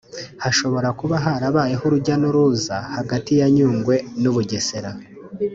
hashobora kuba harabayeho urujya n’uruza hagati ya Nyungwe n’Ubugesera